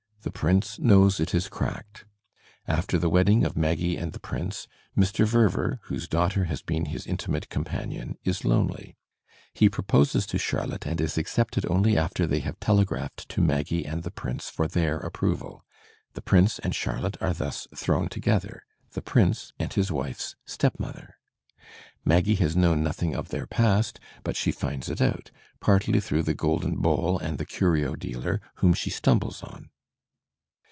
The Prince knows it is cracked. After the wedding of Maggie and the Prince, Mr. Verver, whose daughter has been his intimate companion, is lonely. He proposes to Charlotte and is accepted only after they have telegraphed to Maggie and the Prince for their approval. The Prince and Charlotte are thus thrown together, the Prince and his wife's stepmother! Maggie has known nothing of their past, but she finds it out, partly through the golden bowl and the curio dealer, whom she stumbles on.